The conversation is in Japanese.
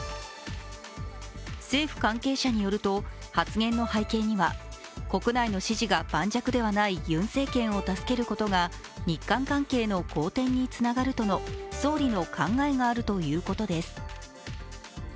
政府関係者によると、発言の背景には国内の支持が盤石ではないユン政権を助けることが日韓関係の好転につながるとの総理の考えがあるとのことです。